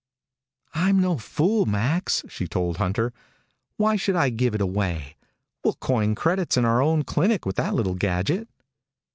"I'm no fool, Max," she told Hunter. "Why should I give it away? We'll coin credits in our own clinic with that little gadget."